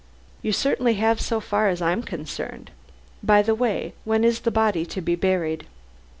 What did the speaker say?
"You certainly have so far as I am concerned. By the way, when is the body to be buried?"